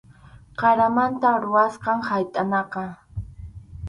Qaramanta rurasqam haytʼanaqa.